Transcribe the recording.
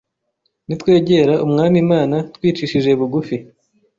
Nitwegera Umwami Imana twicishije bugufi,